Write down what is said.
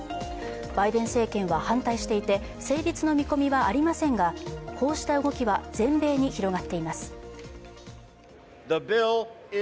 バイデン政権は反対していて成立の見込みはありませんが、こうした動きは全米に広がっています。